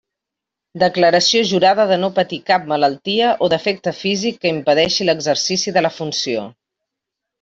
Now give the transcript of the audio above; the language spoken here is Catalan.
Declaració jurada de no patir cap malaltia o defecte físic que impedeixi l'exercici de la funció.